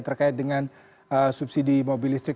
terkait dengan subsidi mobil listrik